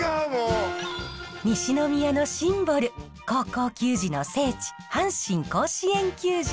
西宮のシンボル高校球児の聖地阪神甲子園球場。